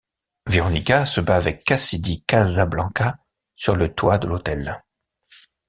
Veronica se bat avec Cassidy Casablancas sur le toit de l'hôtel.